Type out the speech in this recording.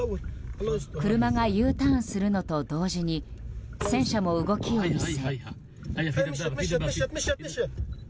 車がＵターンするのと同時に戦車も動きを見せ。